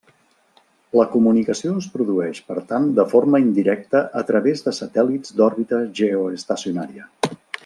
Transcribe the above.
La comunicació es produeix per tant de forma indirecta a través de satèl·lits d'òrbita geoestacionària.